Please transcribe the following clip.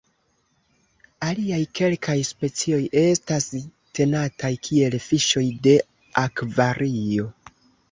Aliaj kelkaj specioj estas tenataj kiel fiŝoj de akvario.